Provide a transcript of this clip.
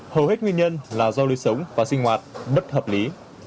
hầu hết nguyên nhân là do lưu sống và sinh hoạt bất hợp lý